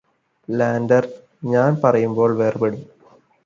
lander ഞാന് പറയുമ്പോള് വേര്പെടും